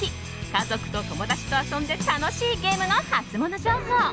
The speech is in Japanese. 家族と友達と遊んで楽しいゲームのハツモノ情報。